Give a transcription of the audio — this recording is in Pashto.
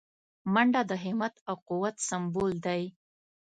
منډه د همت او قوت سمبول دی